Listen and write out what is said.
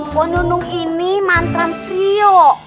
ponnyunung ini mantran trio